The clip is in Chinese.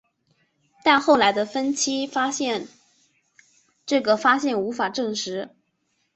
但后来的分析发现这个发现无法证实。